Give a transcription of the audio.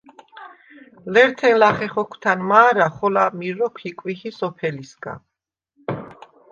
ლერთენ ლახე ხოქვთა̈ნ მა̄რა, ხოლა მირ როქვ იკვიჰი სოფელისგა.